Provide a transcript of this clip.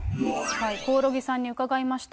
興梠さんに伺いました。